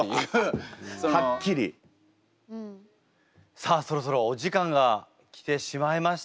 さあそろそろお時間が来てしまいました。